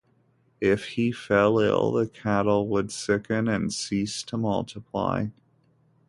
If he fell ill, the cattle would sicken and cease to multiply.